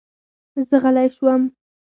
زه غلی شوم.